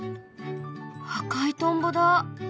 赤いトンボだ。